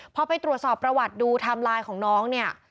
พอไปตรวจสอบประวัติดูไทม์ไลน์ของน้องเนี่ย